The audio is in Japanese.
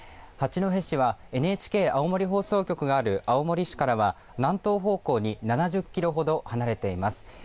八戸市はＮＨＫ青森放送局がある青森市からは南東方向に７０キロほど離れています。